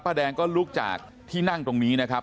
แดงก็ลุกจากที่นั่งตรงนี้นะครับ